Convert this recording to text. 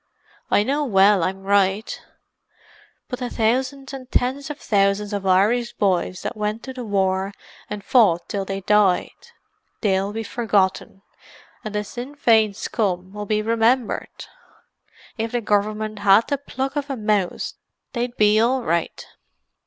"I know well I'm right. But the thousands and tens of thousands of Irish boys that went to the war and fought till they died—they'll be forgotten, and the Sinn Fein scum'll be remembered. If the Gov'mint had the pluck of a mouse they'd be all right.